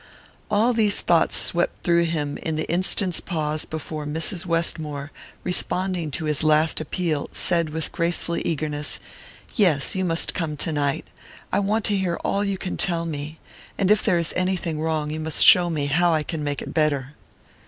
All these thoughts swept through him in the instant's pause before Mrs. Westmore, responding to his last appeal, said with a graceful eagerness: "Yes, you must come tonight. I want to hear all you can tell me and if there is anything wrong you must show me how I can make it better."